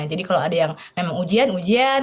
jadi kalau ada yang memang ujian ujian